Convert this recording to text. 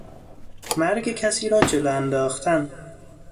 مرگ کسی را جلو انداختن